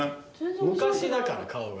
昔だから顔が。